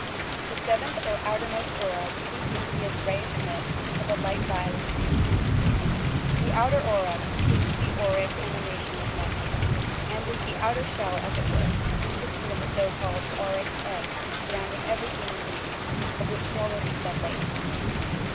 The seventh or outermost aura will be seen to be a greyish mist, of a light violet tint. The outer aura completes the auric emanation of man, and is the outer shell, as it were, constituting the so called "auric egg," surrounding every human being, — of which more will be said later.